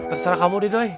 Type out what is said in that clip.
terserah kamu didoy